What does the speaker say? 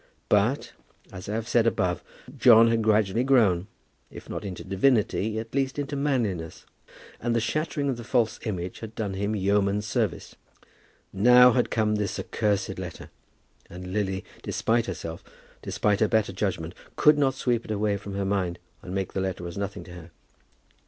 But, as I have said above, John had gradually grown, if not into divinity, at least into manliness; and the shattering of the false image had done him yeoman's service. Now had come this accursed letter, and Lily, despite herself, despite her better judgment, could not sweep it away from her mind and make the letter as nothing to her.